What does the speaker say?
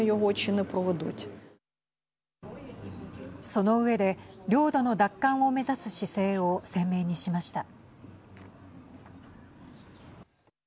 その上で領土の奪還を目指す姿勢を鮮明にしました。